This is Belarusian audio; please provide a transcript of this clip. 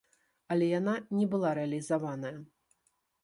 Але яна не была рэалізаваная.